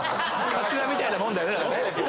カツラみたいなもんだよね。